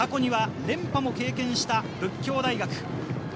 過去には連覇も経験した佛教大学。